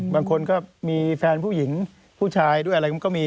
บางคนก็มีแฟนผู้หญิงผู้ชายด้วยอะไรมันก็มี